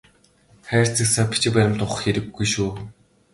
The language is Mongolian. Хайрцаг сав бичиг баримт ухах хэрэггүй шүү.